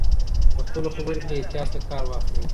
په خپلو خبرو کې له احتیاط څخه کار واخلئ.